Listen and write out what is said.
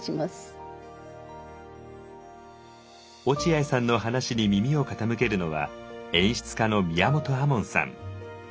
落合さんの話に耳を傾けるのは演出家の宮本亞門さん。